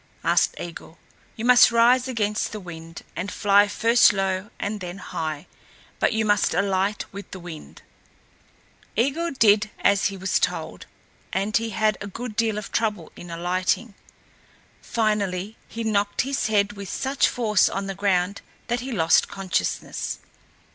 asked Eigil. "You must rise against the wind, and fly first low and then high, but you must alight with the wind." Eigil did as he was told, and had a good deal of trouble in alighting. Finally he knocked his head with such force on the ground that he lost consciousness.